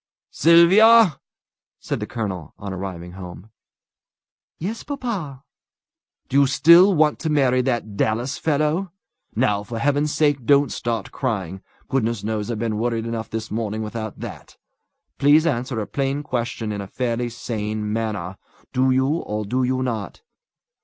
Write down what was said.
"Sylvia!" said the colonel, on arriving home. "Yes, papa." "Do you still want to marry that Dallas fellow? Now, for Heaven's sake, don't start crying! Goodness knows I've been worried enough this morning without that. Please answer a plain question in a fairly sane manner. Do you, or do you not?"